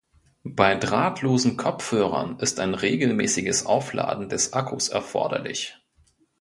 Bei drahtlosen Kopfhörern ist ein regelmäßiges Aufladen des Akkus erforderlich.